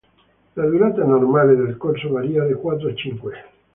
La durata normale del corso varia da quattro a cinque.